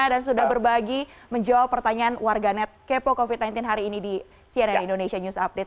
dan sudah berbagi menjawab pertanyaan warga net kepo covid sembilan belas hari ini di cnn indonesia news update